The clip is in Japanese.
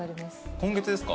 今月ですか？